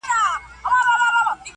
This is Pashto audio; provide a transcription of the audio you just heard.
مینه وړي یوه مقام لره هر دواړه-